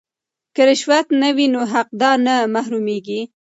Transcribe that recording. که رشوت نه وي نو حقدار نه محرومیږي.